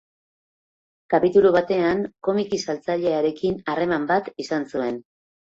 Kapitulu batean Komiki Saltzailearekin harreman bat izan zuen.